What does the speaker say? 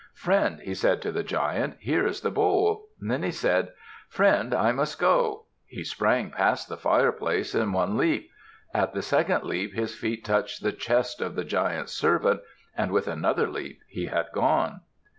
"Friend," he said to the Giant, "here is the bowl." Then he said, "Friend, I must go." He sprang past the fireplace at one leap, at the second leap his feet touched the chest of the Giant's servant, and with another leap he had gone.